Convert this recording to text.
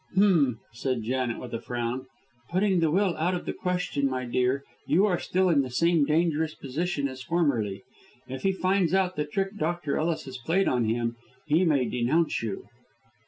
"H'm!" said Janet, with a frown, "putting the will out of the question, my dear, you are still in the same dangerous position as formerly. If he finds out the trick Dr. Ellis has played him, he may denounce you."